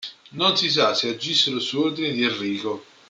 Non si sa se agissero su ordine di Enrico.